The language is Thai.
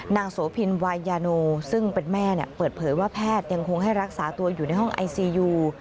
โสพินวายยาโนซึ่งเป็นแม่เปิดเผยว่าแพทย์ยังคงให้รักษาตัวอยู่ในห้องไอซียู